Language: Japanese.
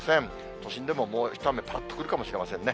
都心でももう一雨、ぱらっと来るかもしれませんね。